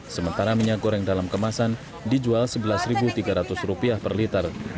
sementara minyak goreng dalam kemasan dijual rp sebelas tiga ratus per liter